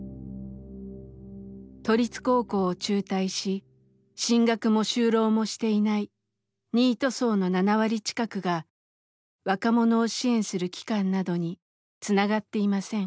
都立高校を中退し進学も就労もしていないニート層の７割近くが若者を支援する機関などにつながっていません。